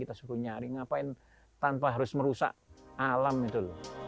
kita suruh nyari ngapain tanpa harus merusak alam itu